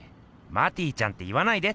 マティちゃんって言わないで！